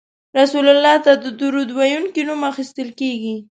رسول الله ته د درود ویونکي نوم اخیستل کیږي